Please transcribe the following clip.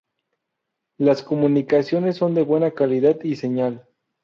Las comunicaciones son de buena calidad y señal.